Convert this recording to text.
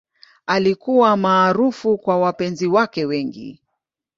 Alikuwa maarufu kwa wapenzi wake wengi.